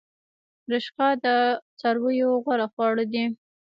رشقه د څارویو غوره خواړه دي